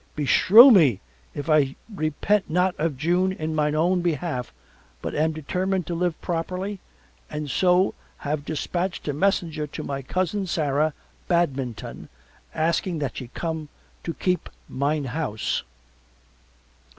Beshrew me if I repent not of June on mine own behalf but am determined to live properly and so have despatched a messenger to my cousin Sarah Badminton asking that she come to keep mine house.